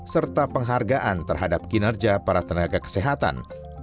serta penghargaan terhadap kinerja para tenaga kesehatan